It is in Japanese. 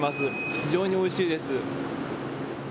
非常においしいです。